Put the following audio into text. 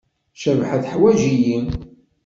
Cabḥa teḥwaǧ-iyi.